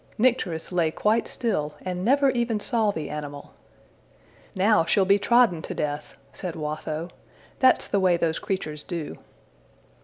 Nycteris lay quite still and never even saw the animal. ``Now she'll be trodden to death!'' said Watho. ``That's the way those creatures do.''